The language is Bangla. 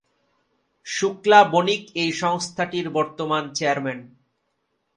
শুক্লা বণিক এই সংস্থাটির বর্তমান চেয়ারম্যান।